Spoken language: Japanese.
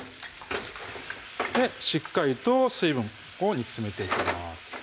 しっかりと水分を煮詰めていきます